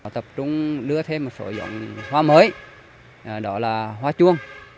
tập trung đưa thêm một số giống hoa mới đó là hoa chuông